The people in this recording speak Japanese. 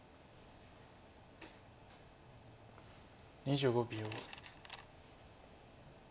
２５秒。